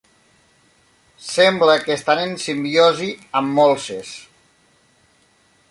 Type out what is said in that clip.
Sembla que estan en simbiosi amb molses.